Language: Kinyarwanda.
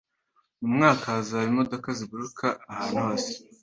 Mu mwaka , hazaba imodoka ziguruka ahantu hose.